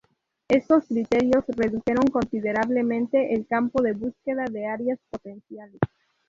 Estos criterios redujeron considerablemente el campo de búsqueda de áreas potenciales.